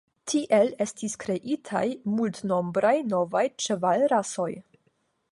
Tiel estis kreitaj multnombraj novaj ĉevalrasoj.